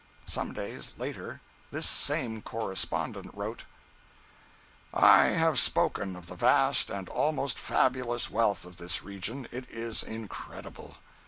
Some days later this same correspondent wrote: I have spoken of the vast and almost fabulous wealth of this region—it is incredible.